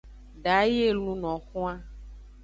Da yi e luno xwan.